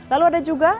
lalu ada juga